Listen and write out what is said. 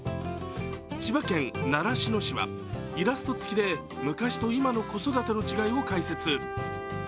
千葉県習志野市はイラスト付きで昔と今の子育ての違いを解説。